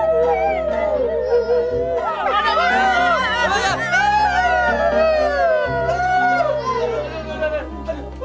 ya allah mixture kazakh